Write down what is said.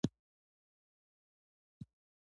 افغانیت یوه مفکوره ده، خو عمل ډېر مهم دی.